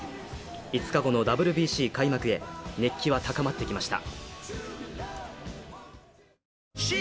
５日後のＷＢＣ開幕へ熱気は高まってきました。